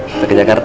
kita ke jakarta